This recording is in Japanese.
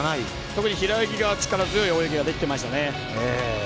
特に平泳ぎが力強い泳ぎができてましたね。